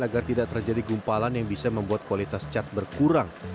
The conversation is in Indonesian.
agar tidak terjadi gumpalan yang bisa membuat kualitas cat berkurang